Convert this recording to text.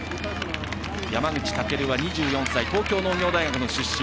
山口武は、２４歳東京農業大学の出身。